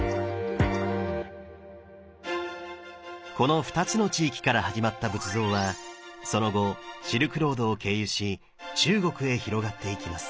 この２つの地域から始まった仏像はその後シルクロードを経由し中国へ広がっていきます。